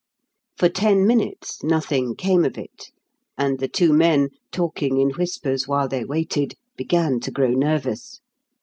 For ten minutes nothing came of it, and the two men, talking in whispers while they waited, began to grow nervous.